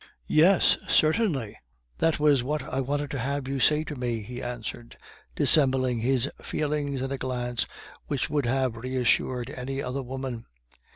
"Yes, certainly." "That was what I wanted to have you say to me," he answered, dissembling his feelings in a glance which would have reassured any other woman.